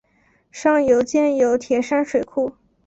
上游建有铁山水库。